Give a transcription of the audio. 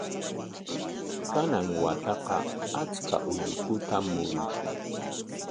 Kanan wataqa achka ullukutam murushun.